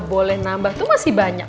boleh nambah itu masih banyak